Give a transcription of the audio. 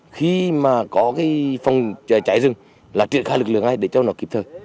khi mà có cái phòng cháy rừng là triển khai lực lượng ngay để cho nó kịp thời